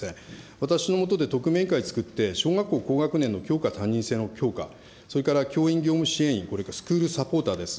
私のもとで特命委員会を作って、小学校高学年の教科担任制の強化、それから教員業務支援員、これ、スクールサポーターです。